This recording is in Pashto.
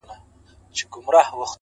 چي په كالو بانـدې زريـــن نه ســـمــه-